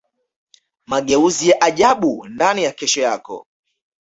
mageuzi ya ajabu ndani ya kesho yako